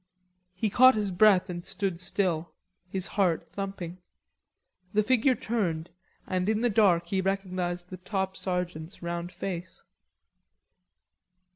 He caught his breath and stood still, his heart thumping. The figure turned and in the dark he recognised the top sergeant's round face.